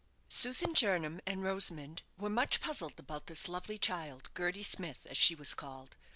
Susan Jernam and Rosamond were much puzzled about this lovely child, Gerty Smith, as she was called.